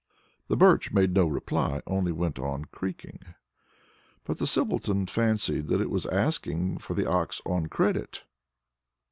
The Birch made no reply, only went on creaking. But the Simpleton fancied that it was asking for the ox on credit.